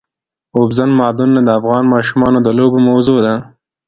اوبزین معدنونه د افغان ماشومانو د لوبو موضوع ده.